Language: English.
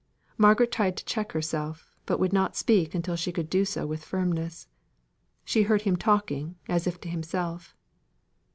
Margaret tried to check herself, but would not speak until she could do so with firmness. She heard him talking, as if to himself.